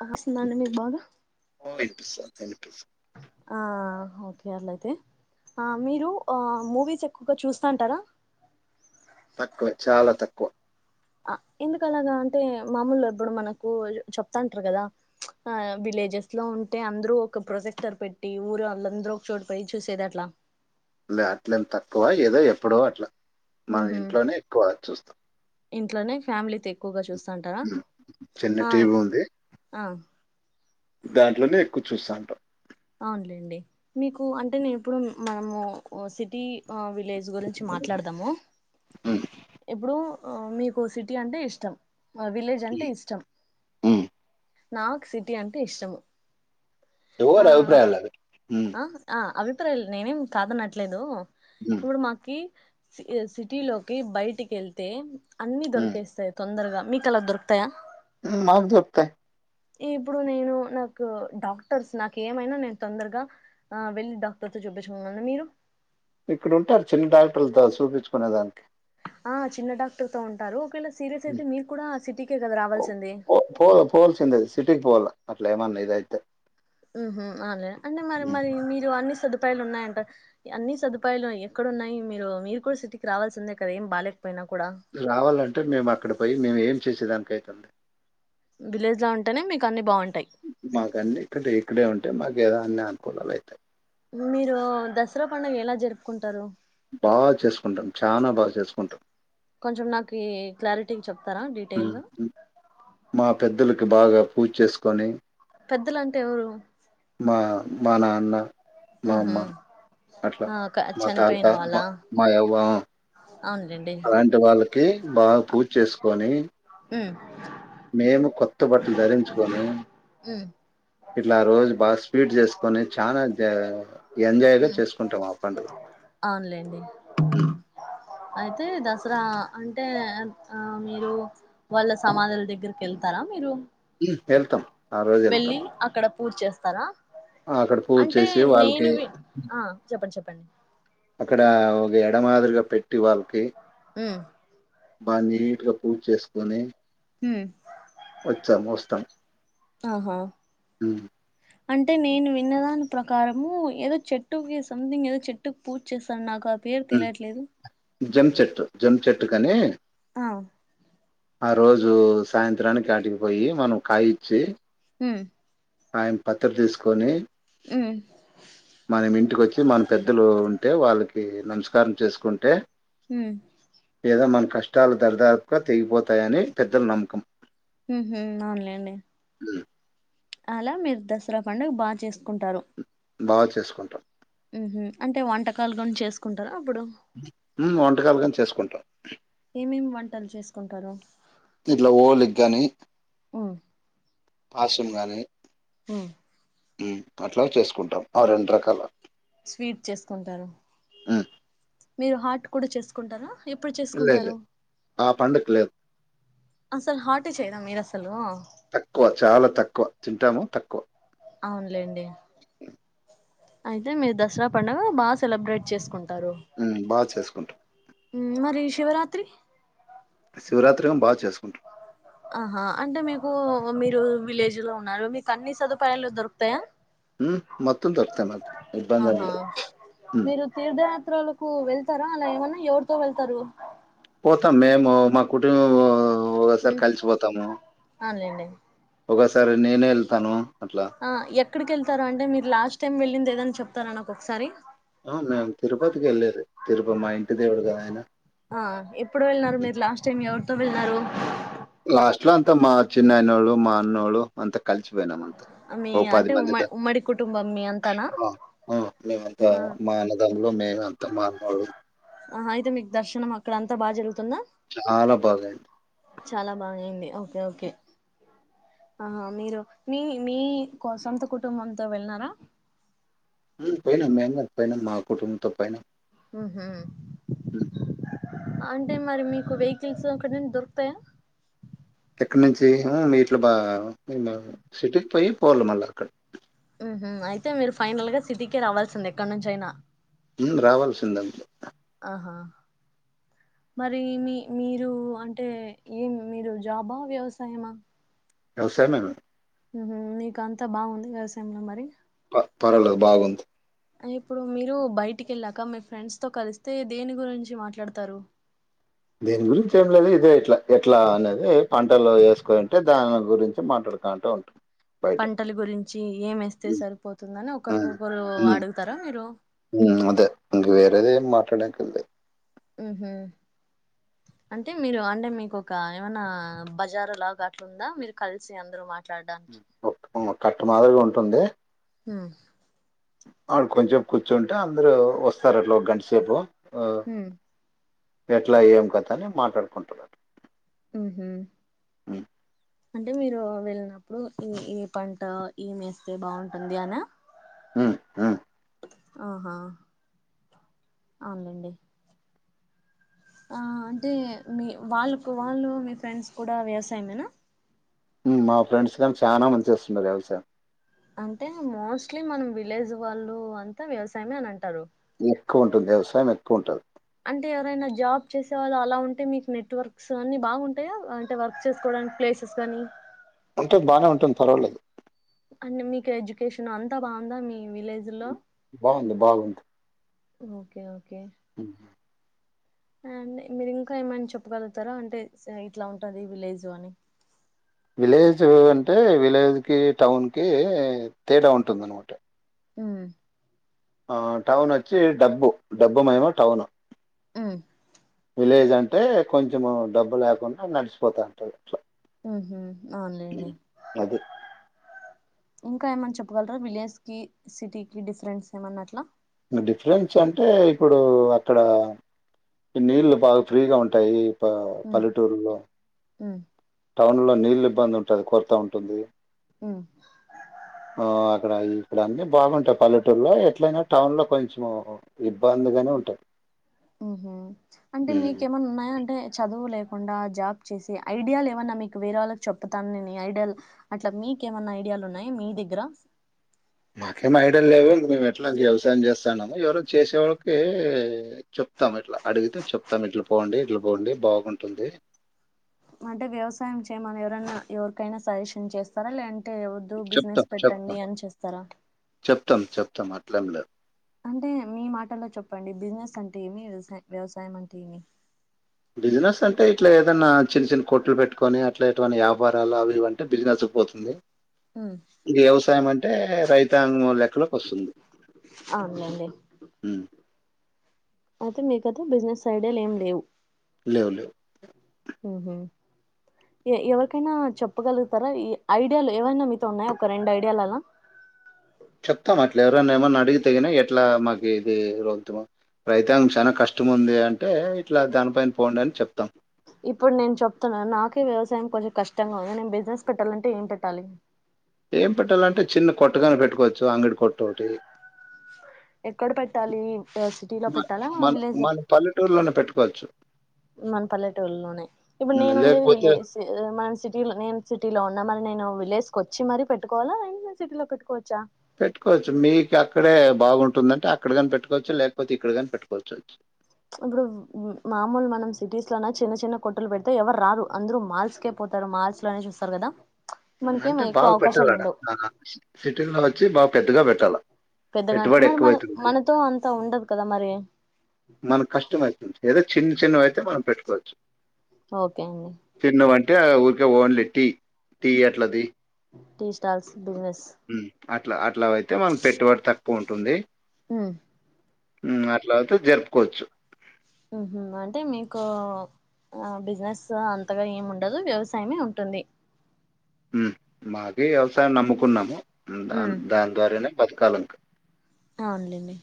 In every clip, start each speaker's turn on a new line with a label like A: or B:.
A: వినిపిస్తుందా అండి మీకు బాగా
B: ఓ వినిపిస్తుంది వినిపిస్తుంది
A: ఆ ఓకే అలా అయితే మీరు మూవీస్ ఎక్కువగా చూస్తాంటారా
B: తక్కువే చాలా తక్కువ
A: ఆ ఎందుకు అలాగా అంటే మామూలు ఎప్పుడు మనకు చెప్తాంటారు కదా ఆ విల్ విజెస్ లో ఉంటే అందరుూ ఒక ప్రొజెక్టర్ పెట్టి ఊరు వాళ్ళందరుూ ఒక చోడ పోయి చూసేది అట్లా
B: లే అట్ల ఏమి తక్కువ ఏదో ఎప్పుడో అట్లా మన
A: ఉహు
B: ఇంట్లోనే ఎక్కువ చూస్తాం
A: ఇంట్లోనే ఫ్యామిలీతో ఎక్కువగా చూస్తంటారా
B: ఉమ్. చిన్న
A: ఆ
B: టీవీ ఉంది
A: ఆ
B: దాంట్లోనే ఎక్కువ చూస్తాంటం
A: అవునులేండి మీకు అంటే నేను ఎప్పుడు మనము సిటీ ఆ విలేజ్ గురించి మాట్లాడదాము
B: ఉమ్.
A: ఇప్పుడు మీకు సిటీ అంటే ఇష్టం విలేజ్ అంటే ఇష్టం
B: ఉమ్.
A: నాకు సిటీ అంటే ఇష్టము ఆ
B: ఎవర్ అభిప్రాయాలు వలవి
A: ఆ ఆ అభిప్రాయాలు నేనేం కాదనట్లేదు
B: ఉమ్.
A: ఇప్పుడు మాకి ఇ సిటీ లోకి బయటికి వెళ్తే అన్ని
B: ఉమ్.
A: దొరికేస్తాయి తొందరగా మీ కల దొరుకుతాయా
B: హ్మ మాకు దొరుకుతాయ్
A: ఇప్పుడు నేను నాకు డాక్టర్స్ నాకు ఏమైనా నేను తొందరగా ఆ వెళ్ళి డాక్టర్తో చూపించుకున్నరా మీరు
B: ఇక్కడు ఉంటారు చిన్న డాక్టర్లతో చూపించుకునే దానికి
A: ఆ చిన్న డాక్టర్ త ఉంటారు ఒకవేళ సీరియస్
B: ఉమ్.
A: అయితే మీరు కూడా సిటీకే కదా రావాల్సింది
B: ఆ పోవల్సిందే సిటీకి పోవాలి అట్ల ఏమన్నా ఇది అయితే
A: హ్మ్ హ్మ అవులే అంటే మరి మరి మీరు అన్నిీ సదుపు సదుపాయాలు ఉన్నాయంట అన్ని సదుపాయాలు ఎక్కడ ఉన్నాయి మీరు మీరు కూడా సిటీకి రావాల్సిందే కద ఏం బాలేద్
B: రావాలంటే మేము అక్కడ పోయి మేము ఏం చేసేదానినికి అయితుంది
A: విలేజ్ లో ఉంటేనే మీకు అన్ని బాగ్
B: మాకు అన్నీ ఇక్కడ ఇక్కడే ఉంటే మాకు ఏదన్నా అనుకూలలు అయితాయి
A: మీరు దసరా పండుగ ఎలా జరుపుకుంటారు
B: బా చేసుకుంటాం చనా బా చేసుకుంటాం
A: కొంచం నాకి క్లారిటీ చెప్తారా డీటెయిల్
B: హ్మ్.
A: గా
B: హ్మ్. మా పెద్దలకి బాగా పూజ చేసుకొని
A: పెద్దలంటే ఎవరు
B: మా మా నాన్న మా
A: హ్మ్ హు
B: అమ్మ అట్లా మా తాత మాయవ్వ
A: అవునులేండి
B: అలాంటి వాళ్ళకి బా పూజ్ చేసుకొని
A: హ్మ్
B: మేము కొత్త బట్టలు ధరించుకొని
A: ఉ
B: ఇట్లా ఆ రోజు బా స్వీట్స్ చేస్ కొని చానా దే ఎంజాయ్గా చేసుకుంటాం ఆ పండుగ
A: ఏంది
B: హ్మ్.
A: అయితే దసరా అంటే ఆ మీరు వాళ్ళ సమాధుల దగ్గరికి వెళ్ తరా మీరు
B: హ్మ్ వెళ్తాం ఆ రోజు వెళ్తాం
A: పూజ్ చేస్తారా
B: అక్కడ పూజ
A: అంటే
B: చేసి వాళ్ళకి
A: నేనువి ఆ చెప్పండి చెప్పండి
B: అక్కడ ఒక ఎడ మాదిరిగా పెట్టి వాళ్ళకి
A: హ్మ్
B: బా నీట్ గా పూజ్ చేసుకోని
A: ఉమ్
B: వచ్చాం వస్తాం
A: ఆహా
B: హ్మ్
A: అంటే నేను విన్నదాని ప్రకారము ఏదో చెట్టుకి సంథింగ్ ఏదో చెట్టుకి పూజ చేస్తాను నా కా పేరు తెలియట్లేదు
B: జం చెట్టు జం చెట్టు కని
A: అ
B: ఆ రోజు సాయంత్రానికి ఆటికిపోయి మనం కాయి ఇచ్చి
A: హ్మ్
B: ఆయన పత్తిరి తీసుకొని
A: ఉమ్
B: మనం ఇంటికొ చి మన పెద్దలు ఉంటే వాళ్ళకి నమస్కారం చేసుకుంటే
A: హ్మ్
B: ఏదో మన కష్టాలు దరిదాపుగా తెగిపోతాయని పెద్దల నమ్మకం
A: హ్మ్ హు అవునులేండి
B: ఉమ్.
A: అలా మీరు దసరా పండుగ బా చేసుకుంటారు
B: బా చేసుకుంటాం
A: హ్మ్ హు అంటే వంటకాలు గాని చేసుకుంటారా అప్పుడు
B: హ్మ్ వంటకాలుగాని చేసుకుంటాం
A: ఏం ఏం వంటలు చేసుకుంటారు
B: ఇట్లా ఓలిగ్ గాని
A: ఉమ్
B: పాసం గానీ
A: ఉమ్
B: అట్లా హ్మ్ చేసుకుంటాం ఆ రెండు రకాల
A: స్వీట్ చేసుకుంటారు
B: ఉమ్
A: మీరు హార్ట్ కూడా చేసుకుంటారా ఎప్పుడు
B: లేదు లేదు
A: చేసుకుంటారు
B: ఆ పండుగ లేదు
A: అసలు హాట్ యే చేయరా మీరు అసలు
B: తక్కువ చాలా తక్కువ తింటాము తక్కువ
A: అవునులేండి అయితే మీరు దసరా పండుగ బాగా సెలబ్రేట్ చేసుకుం
B: హ్మ్ బా చేసుకుంటాం
A: హ్మ్ మరి శివరాత్రి
B: శివరాత్రి ఏం బా చేసుకుంటా
A: ఆహా అంటే మీకు మీరు విలేజ్ లో ఉన్నారు మీకు అన్ని సదుపాయాలు దొరుకుతాయా
B: హ్మ్ మొత్తం దొరుకుతాయి మాకు ఇబ్బంది ఏంలేదు హ్మ్
A: చిత్రాలకు వెళ్తారా అలా ఏమన్నా ఎవరితో వెళ్తారు
B: పోతాం మేము మా కుటుంబు వో ఓసారి
A: ఉమ్
B: కలిసిపోతాము
A: అవునులేండి
B: ఒకసారి నేనే వెళ్తాను
A: ఆ ఎక్కడికి వెళ్తారా అంటే మీరు లాస్ట్ టైం వెళ్ళింది ఎద్దన్న చెప్తారా నాకు ఒకసారి
B: ఆ మేము తిరుపతికి వెళ్ళేది తిరుపతి మా ఇంటి దేవుడు కదా ఆయన
A: ఆ ఎప్పుడు వెళ్ళినారు మీరు లాస్ట్ టైం ఎవరితో వెళ్ళినారు
B: లాస్ట్ లో అంత మా చిన్నయనోళ్ళు మా అన్నోళు అంత కలిసిపోయినాము అంతే
A: మీ
B: ఓ పది
A: అంటే
B: మంది
A: ఉమ్మ ఉమ్మడి కుటుంబం మీ అంతానా
B: దాకా ఆ ఊ మేము అంత
A: ఆ
B: మా అన్నా దమ్ములము మేము అంత మా అన్నోళ్ళు
A: ఆహ అయితే మీకు దర్శనం అక్కడ అంతా బాగా జరుగు
B: చాలా బాగా అయింది
A: చాలా బాగా అయింది ఓకే ఓకే ఆహా మీరు మీ మీ కో సొంత కుటుంబంతో వెళ్ళన్నారా
B: హు పోయినం మేము గాని పోయినం మా కుటుంబంతో పోయినం
A: ఉహు
B: [unintelligible]
A: అంటే మరి మీకు వెహికల్స్ అక్కడ నుండి దొరుకుతాయా
B: ఇక నుంచి మీ హ ఇట్లా బా మేము సిటీకి పోయి పోవల మళ్ళీ అక్కడ
A: ఉహు అయితే మీరు ఫైనల్ గా సిటీకి రావాల్సింది ఎక్కడ నుంచి అయినా
B: హు రావాల్సిందే
A: ఆహా మరి మీ మీరు అంటే ఏం మీరు జాబ్ వ్యవసాయమా
B: వ్యవసాయ మే
A: ఉహు నీకు అంతా బాగుంది వ్యవసాయంలో మరి
B: ప పర్వాలేదు బాగుంది
A: ఇప్పుడు మీరు బయటికి వెళ్ళాక మీ ఫ్రెండ్స్ తో కలిస్తే దేని గురించి మాట్లాడతారు
B: దేని గురించి ఏం లేదు ఇదే ఇట్లా ఎట్లా అనేది పంటల్లో వేసుకుంటే దాని గురించి మాట్లాడుకుంటే ఉంటాం బయట
A: పంటలు గురించి ఏం ఏస్తే సరిపోతుందని
B: అవును.
A: ఒకరికొకరు అడుగుతారా మీరు
B: ఊ అదే ఇంకా వేర ఏదే మాట్లాడక్కర్లేదు
A: ఉహు అంటే మీరు అంటే మీకు ఒక ఏమన్నా బజారు లాగా అట్లా ఉందా మీరు కలిసి అందరు మాట
B: ఓ కట్ట మాదిరిగా ఉంటుంది
A: ఊ
B: ఆడ కొంచెం కూర్చుంటే అందరుూ వస్తారు అట్లా ఒక గంటసేపు
A: ఉమ్
B: ఎట్లా ఏం కథ అని మాట్లాడుకుంటరు అట్లా
A: ఉహు
B: ఊ
A: అంటే మీరు వెళ్ళినప్పుడు ఈ ఈ పంట ఎం మేస్తే బాగుంటుంది అనా
B: [unintelligible]
A: ఆహా అవునండి ఆ అంటే మీ వాళ్ళకు వాళ్ళు మీ ఫ్రెండ్స్ కూడా వ్యవసాయమేనా
B: ఉ మా ఫ్రెండ్స్ కానీ చాలా మంది చేస్తున్నారు వ్యవసాయం
A: అంటే మోస్ట్లీ మనం విలేజ్ వాళ్ళు అంతా వ్యవసాయమే అని అంటారు
B: ఎక్కువ ఉంటుంది వ్యవసాయం ఎక్కువ ఉంటది
A: అంటే ఎవరైనా జాబ్ చేసేవాళ్ళు అలా ఉంటే మీకు, నెట్వర్క్స్ అన్ని బాగుంటయా అంటే వర్క్ చేసుకోవడం ఆ ప్లేసెస్ కానీ
B: ఉంటే బాగానే ఉంటుంది పర్వలేదు
A: అంటే మీకు ఎడ్యుకేషన్ అంతా బాగుందా మీ విలేజ్ లో
B: బాగుంది బాగుంది
A: ఓకే ఓకే
B: ఉమ్
A: అ మీరు ఇంకా ఏమైనా చెప్పగలుగుతారా అంటే ఇట్లా ఉంటుంది విలేజ్ అని
B: విలేజ్ అంటే విలేజ్ కి టౌన్ కి తేడా ఉంటుంద అనమాట
A: ఉమ్
B: ఆ టౌన్ వచ్చి డబ్బు డబ్బు మేమో టౌను
A: ఉమ్
B: విలేజ్ అంటే కొంచెం డబ్బు లేకుండా నడిచిపోతా ఉంటారు
A: ఉహూ అవున్లెండి
B: అది.
A: ఇంకా ఏమన్నా చెప్పగలరా విలేజ్ కి సిటీ కి డిఫరెన్స్ ఏమన్నట్లా
B: డిఫరెన్స్ అంటే ఇప్పుడు అక్కడ నీళ్ళు బాగా ఫ్రీగా ఉంటాయి ఇ
A: ఉమ్
B: పల్లెటూరులో
A: ఉమ్
B: టౌన్ లో నీళ్ళ ఇబ్బంది ఉంటుంది కొరత ఉంటుంది
A: ఉమ్
B: ఆ అక్కడ ఇక్కడ అన్నీ బాగుంటాయి పల్లెటూరులో ఎట్లయినా టౌన్ లో కొంచెం ఇబ్బందిగానే ఉంటాయి
A: ఉహ అంటే మీకేమన్నా ఉన్నాయా అంటే చదువులే కుండా జాబ్ చేసి ఐడియాల్ ఏమన్నా మీకు వేరే వాళ్ళకి చెప్తా ఐడియల్ అట్లా మీకేమన్నా ఐడియా ఉన్నాయి మీ దగ్గర
B: అ మాకేం ఐడల్ లేవు మేము ఎట్లా వ్యవసాయం చేస్తానో ఎవరో చేసేవాళ్ళకి చెప్తాం ఇట్లా అడిగితే చెప్తాం ఇట్లా పోండి ఇట్లా పోండి బాగుంటుంది
A: అంటే వ్యవసాయం చేయమని ఎవరన్నా ఎవరికైనా సజెషన్ చేస్తారా లేంటే అంటే ఎవద్దు
B: చెప్తాం
A: బిజినెస్ పెట్టండి అని చెప్తారా
B: చెప్తం చెప్తం అట్లేం లేదు
A: అంటే మీ మాటల్లో చెప్పండి బిజినెస్ అంటే ఏమి వ్యవసాయం వ్యవసాయం అంటే ఏమి
B: బిజినెస్ అంటే ఇట్లా ఏదన్నా చిన్న చిన్న కొట్లు పెట్టుకొని అట్లా ఎటువంటి వ్యాపారాలు అవి ఇవంటే బిజినెస్ పోతుంది
A: ఉమ్
B: వ్యవసాయం అంటే రైతాంగం లెక్కలోకి వస్తుంది ఉమ్,
A: అయితే మీకయితే బిజినెస్ ఐడియాలు ఏం లేవు
B: లేవు లేవు
A: ఉహూ ఎవరికైనా చెప్పగలుగుతారా ఈ ఐడియాలు ఎవైనా మీతో ఉన్నాయా ఒక రెండు ఐడియాల అలా
B: చెప్తాం అట్లా ఎవరనా ఏమన్నా అడిగి తగినా ఎట్లా మాకి ఇది రో రైతాంగం చాలా కష్ట ఇష్టం ఉంది అంటే ఇట్లా దానిపైన పోండి అని చెప్తాం
A: ఇప్పుడు నేను చెప్తున్నాను నాకే వ్యవసాయం కొంచెం కష్టంగా ఉంది నేను బిజినెస్ పెట్టాలంటే ఏం పెట్టాలి
B: ఏం పెట్టాలంటే చిన్న కొట్టగాని పెట్టుకోవచ్చు అంగడి కొట్టు ఒకటి
A: ఎక్కడ పెట్టాలి సిటీ లో
B: మన
A: పెట్టాలా
B: మన
A: విలేజ్ లో
B: మన పల్లెటూరులోనే పెట్టుకోవచ్చు
A: మన పల్లెటూళ్ళలోనే ఇప్పుడు
B: హ్మ్.
A: నేను ఉండేది
B: లేకపోతే
A: విలే మన సిటీలో నేను సిటీలో ఉన్నా మన నేను విలేజ్ కు వచ్చి మరీ పెట్టుకోవాలా సిటీలో పెట్టుకోవచ్చా
B: పెట్టుకోవచ్చు మీకు అక్కడే బాగుంటుందంటే అక్కడ కాని పెట్టుకోవచ్చు లేకపోతే ఇక్కడ కాని పెట్టుకోవచ్చచ్చు
A: ఇప్పుడు మామూలు మనం సిటీస్ లో చిన్న చిన్న కొట్టలు పెడితే ఎవరు రారు అందరూ మాల్స్కే పో అతారు మార్చ్ లోనే చూస్తారు కదా మనకేం
B: అంటే
A: ఎక్కువ
B: బాగు
A: అవకాశాలు
B: పెట్టాలడ
A: ఉండవు
B: సిటీ లో వచ్చి బాగు పెద్దగా పెట్టాలి
A: పెద్దగానే మరి మన మనతో అంతా ఉండదు కదా మరి
B: మన కష్టమ అవుతుంది ఏదో చిన్న చిన్నవి అయితే మనం పెట్టుకోవచ్చు
A: ఓకే అండి
B: చిన్నవి అంటే ఊరికే ఓన్లీ టీ టీ ఎట్లది
A: టీ స్టాల్స్ బిజినెస్
B: హ్మ్మ్ అట్లా అట్లా అయితే మనకి పెట్టుబడి తక్కువ ఉంటుంది
A: ఉమ్
B: ఉమ్ అట్లావుతే జరుపుకోవచ్చు
A: ఉమ్ హ్ అంటే మీకు ఆ బిజినెస్ అంతగా ఏముండదు వ్యవసాయమే ఉంటుంది
B: ఉమ్ మాకే వ్యవసాయం నమ్ముకున్నాము, దా
A: ఉమ్
B: దాన్ ద్వారానే బత్కాలింక
A: అవునులేండి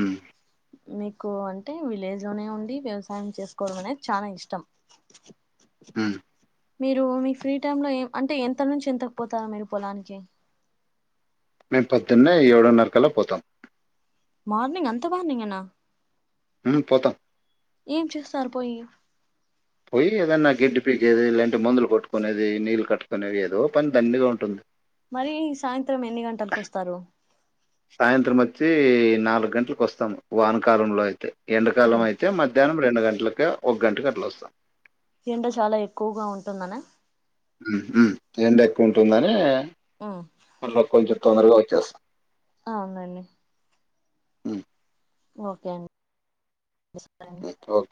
B: ఉమ్
A: మీకు అంటే విలేజ్ లోనే ఉండి వ్యవసాయం చేసుకోవడం అనేది చాలా ఇష్టం
B: ఉమ్
A: మీరూ మీ ఫ్రీ టైమ్ లో ఏం అంటే ఎంత నుంచి ఎంతకు పోతారు మీరు పొలానికి
B: మేము పొద్దున్నే ఏడున్నరకల్లా పోతాం
A: మార్నింగ్ అంత మార్నింగేనా
B: ఉమ్ పోతాం
A: ఏం చేస్తారు పోయి
B: పోయి ఏదన్నా గడ్డి పీకేది లేదంటే మందులు కొట్టుకునేది నీళ్ కట్ కునేది ఏదో పని దండిగా ఉంటుంది
A: మరీ సాయంత్రం ఎన్ని గంటలకొస్తారు
B: సాయంత్రమొచ్చి నాలుగు గంటలకు వస్తాము వానకాలంలో అయితే ఎంండకాలం
A: ఉమ్.
B: అయితే మధ్యాహ్నం రెండు గంటలక ఒక్ గంటకి అట్లా వస్తాం
A: ఎండ చాలా ఎక్కువగా ఉంటుందన
B: ఉమ్ హ్ ఎండెక్కువుంటుందని
A: ఉమ్
B: మల్ల కొంచెం తొందరగా ఒచ్చేస్తా
A: అవునండి
B: ఉమ్,
A: ఓకే అండి
B: ఉమ్.
A: [unintelligible]
B: ఓకే